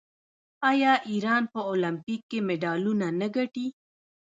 آیا ایران په المپیک کې مډالونه نه ګټي؟